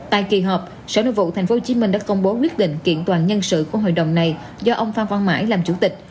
tại kỳ họp sở nội vụ tp hcm đã công bố quyết định kiện toàn nhân sự của hội đồng này do ông phan văn mãi làm chủ tịch